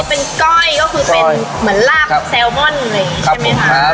นี่เป็นก้อยเหมือนลาบซาลมอนใช่ไหมครับ